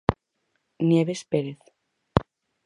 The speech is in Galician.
Nieves Pérez.